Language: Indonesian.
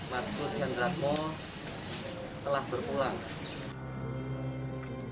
mas kusen radmo telah berpulang